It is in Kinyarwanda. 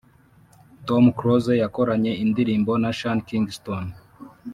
Tom close yakoranye indirimbo na sean kingston